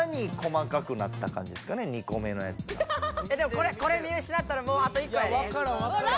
これこれ見失ったらもうあと１個やで。